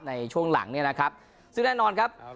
ในช่วงหลังเนี่ยนะครับซึ่งแน่นอนครับ